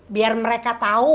biar mereka tau